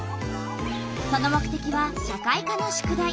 その目てきは社会科の宿題。